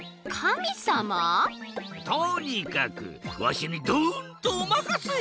とにかくわしにドンとおまかせ！